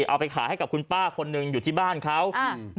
เอาไปขายให้กับคุณป้าคนหนึ่งอยู่ที่บ้านเขาอืม